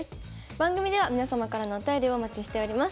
番組では皆様からのお便りをお待ちしております。